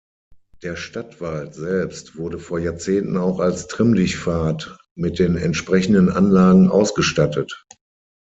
Der Stadtwald selbst wurde vor Jahrzehnten auch als Trimm-dich-Pfad mit den entsprechenden Anlagen ausgestattet.